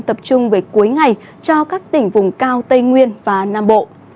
tập trung về cuối ngày cho các tỉnh vùng cao tây nguyên và nam bộ